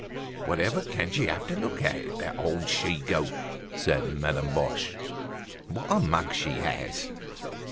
"Whatever can she have to look at, that old she goat?" said Madame Boche. "What a mug she has!"